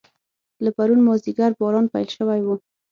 له پرون مازیګر باران پیل شوی و.